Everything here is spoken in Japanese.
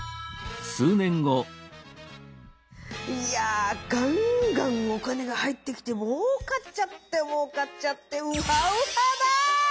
いやガンガンお金が入ってきてもうかっちゃってもうかっちゃってウハウハだ！